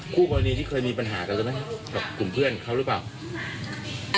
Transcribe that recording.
คู่กรณีที่เคยมีปัญหากันใช่ไหมกับกลุ่มเพื่อนเขาหรือเปล่า